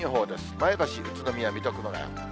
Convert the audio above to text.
前橋、宇都宮、水戸、熊谷。